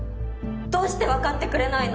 どうして分かってくれないの？